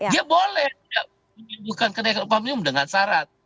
dia boleh menyembuhkan kenaikan upah minimum dengan syarat